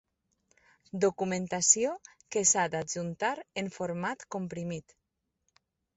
Documentació que s'ha d'adjuntar en format comprimit.